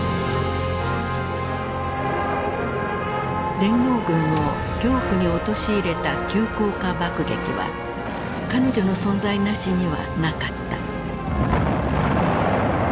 連合軍を恐怖に陥れた急降下爆撃は彼女の存在なしにはなかった。